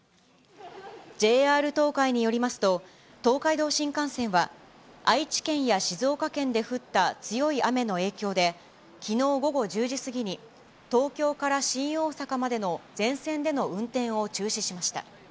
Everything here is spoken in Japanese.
ＪＲ東海によりますと、東海道新幹線は、愛知県や静岡県で降った強い雨の影響で、きのう午後１０時過ぎに、東京から新大阪までの全線での運転を中止しました。